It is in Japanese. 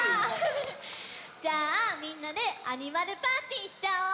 じゃあみんなでアニマルパーティーしちゃおう！